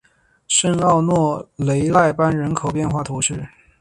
圣奥诺雷莱班人口变化图示